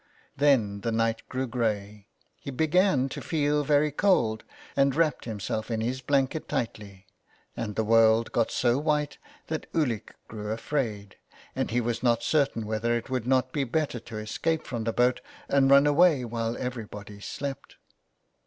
Then the night grew grey. He began to feel very cold, and wrapped himself in his blanket tightly, and the world got so white that Ulick grew afraid, and he was not certain whether it would not be better to escape from the boat and run away while everybody slept.